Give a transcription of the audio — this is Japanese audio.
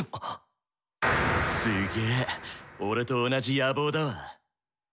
すげぇ俺と同じ野望だわ。